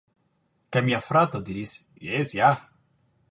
Kaj mia frato diris: "Jes ja!"